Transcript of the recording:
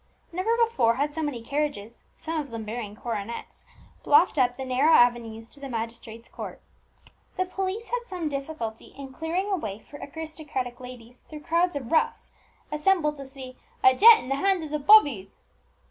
Never before had so many carriages (some of them bearing coronets) blocked up the narrow avenues to the magistrate's court. The police had some difficulty in clearing a way for aristocratic ladies through crowds of roughs assembled to see "a gent in the hands of the bobbies!"